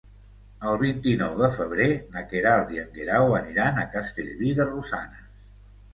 El vint-i-nou de febrer na Queralt i en Guerau aniran a Castellví de Rosanes.